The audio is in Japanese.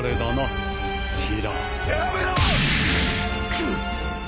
くっ！